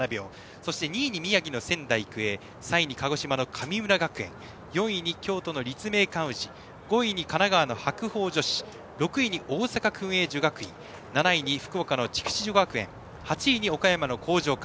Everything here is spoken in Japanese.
そして２位に宮城の仙台育英３位に鹿児島の神村学園４位に京都の立命館宇治５位に神奈川の白鵬女子６位に大阪薫英女学院７位に福岡の筑紫女学園８位に岡山の興譲館。